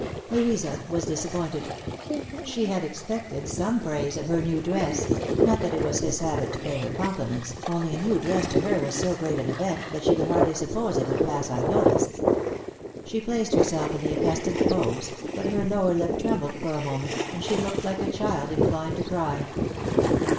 Louisa was disappointed. She had expected some praise of her new dress ; not that it was his habit to pay her compliments, Lost for Love. 83 only a new dress to her was so great an event that she could hardly suppose it would pass unnoticed. She placed herself in the accustomed pose, but her lower lip trembled for a moment, and she looked like a child inclined to cry.